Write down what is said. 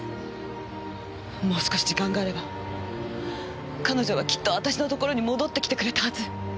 もう少し時間があれば彼女はきっと私のところに戻ってきてくれたはず。